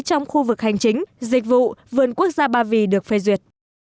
trong khu vực hành chính dịch vụ vườn quốc gia ba vì được phê duyệt